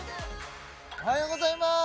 おはようございます！